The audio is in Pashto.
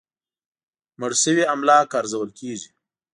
مړ شوي املاک ارزول کېږي.